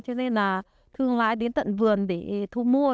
cho nên là thương lái đến tận vườn để thu mua